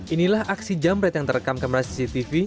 inilah aksi jamret yang terekam kamera cctv